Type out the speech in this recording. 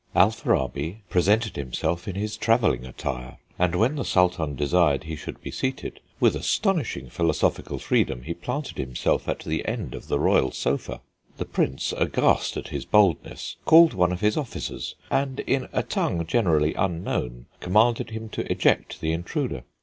Alfarabi ... presented himself in his travelling attire, and when the Sultan desired he should be seated, with astonishing philosophical freedom he planted himself at the end of the royal sofa. The Prince, aghast at his boldness, called one of his officers, and in a tongue generally unknown commanded him to eject the intruder.